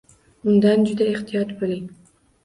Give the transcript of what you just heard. Undan juda ehtiyot bo'ling.